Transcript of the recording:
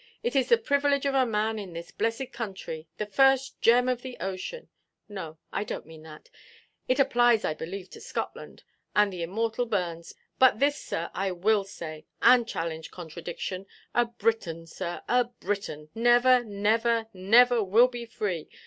It is the privilege of a man in this blessed country, the first gem of the ocean—no, I donʼt mean that; it applies, I believe, to Scotland, and the immortal Burns—but this, sir, I will say, and challenge contradiction, a Briton, sir, a Briton, never, never, never will be free!